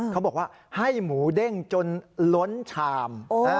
เขาบอกว่าให้หมูเด้งจนล้นชาม